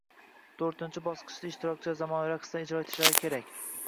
To’rtinchi bosqichda ishtirokchilar zamonaviy raqslar ijro etishlari kerak.